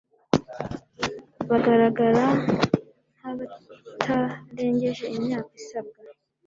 bagaragara nk'abatarengeje imyaka isabwa